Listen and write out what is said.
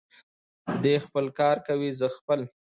دی خپل کار کوي، زه خپل.